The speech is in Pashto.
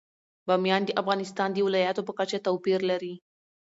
بامیان د افغانستان د ولایاتو په کچه توپیر لري.